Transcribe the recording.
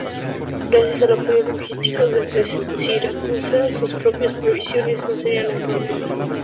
Gracias al apoyo logístico desde Siracusa, sus propias provisiones no serían un problema.